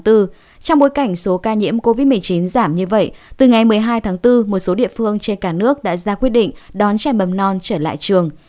trong bối cảnh số ca nhiễm covid một mươi chín giảm như vậy từ ngày một mươi hai tháng bốn một số địa phương trên cả nước đã ra quyết định đón trẻ mầm non trở lại trường